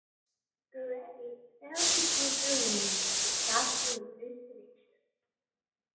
Geray failed to heed their warnings to stop the impersonations.